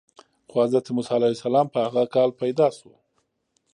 خو حضرت موسی علیه السلام په هغه کال پیدا شو.